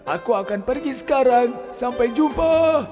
aku akan pergi sekarang sampai jumpa